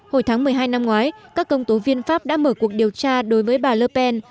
hồi tháng một mươi hai năm ngoái các công tố viên pháp đã mở cuộc điều tra đối với bà ler pen